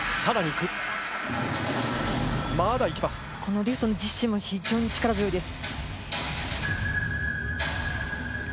このリフトの実施も非常に力強いです。